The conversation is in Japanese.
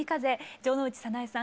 城之内早苗さん